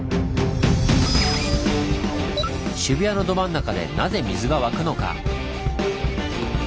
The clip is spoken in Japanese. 渋谷のど真ん中でなぜ水が湧くのか？